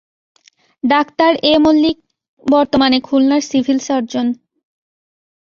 Doctor A Mallik কর্তমানে খুলনার civil surgeon.